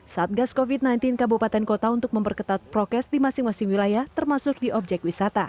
satgas covid sembilan belas kabupaten kota untuk memperketat prokes di masing masing wilayah termasuk di objek wisata